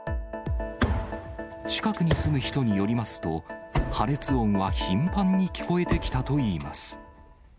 近くに住む人によりますと、破裂音は頻繁に聞こえてきたといいます。